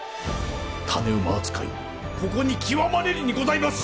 種馬扱いもここに極まれりにございます！